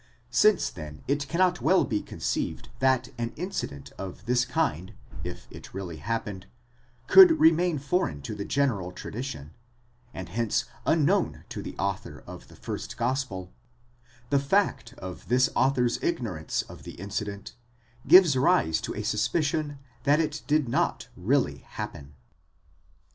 Since then it cannot well be conceived that an incident of this kind, if it really happened, could remain foreign to the general tradition, and hence unknown to the author of the first gospel : the fact of this author's ignorance of the incident gives rise to a suspicion that it did not really happen.